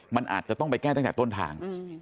มันอาจจะต้องไปแก้ตั้งแต่ต้นทาง